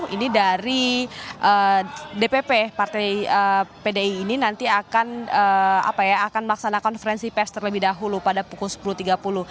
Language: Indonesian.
ini dari dpp partai pdi ini nanti akan melaksanakan konferensi pes terlebih dahulu pada pukul sepuluh tiga puluh